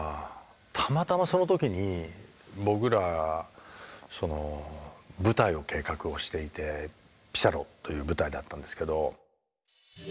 たまたまその時に僕ら舞台を計画をしていて「ピサロ」という舞台だったんですけど。